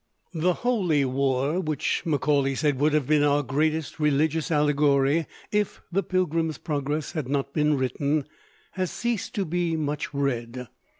The 'Holy War,' which Macaulay said would have been our greatest religious allegory if the 'Pilgrim's Progress' had not been written, has ceased to be much read.